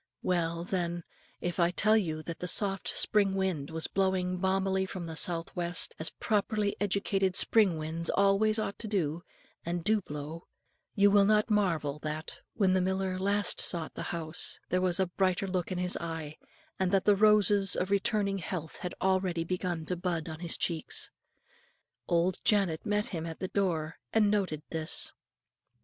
Well, then, if I tell you that the soft spring wind was blowing balmily from the south west, as properly educated spring winds always ought to, and do blow, you will not marvel that, when the miller at last sought the house, there was a brighter look in his eye, and that the roses of returning health had already begun to bud on his cheeks. Old Janet met him in the door, and noted this.